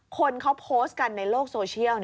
คนเขาโพสต์กันในโลกโซเชียล